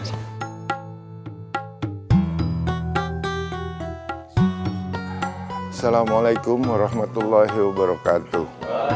assalamualaikum warahmatullahi wabarakatuh